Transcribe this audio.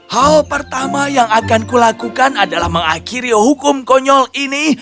hal pertama yang akan kulakukan adalah mengakhiri hukum konyol ini